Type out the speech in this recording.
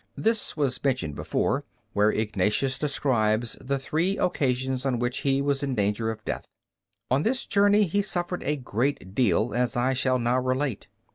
This was mentioned before, where Ignatius describes the three occasions on which he was in danger of death. On this journey he suffered a great deal, as I shall now relate.